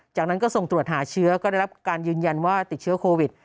จากนั้นก็ส่งตรวจหาเชื้อก็ได้รับการยืนยันว่าติดเชื้อโควิด